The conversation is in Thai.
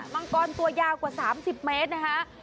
มังกรตัวยาวกว่า๓๐เมตรนะคะ